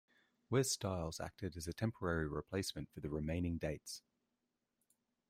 Wes Styles acted as a temporary replacement for the remaining dates.